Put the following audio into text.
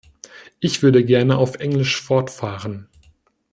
Ich würde gerne auf Englisch fortfahren.